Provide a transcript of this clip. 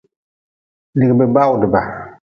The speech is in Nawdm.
Lugʼbibawdba.